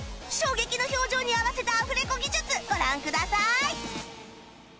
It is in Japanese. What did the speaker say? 衝撃の表情に合わせたアフレコ技術ご覧ください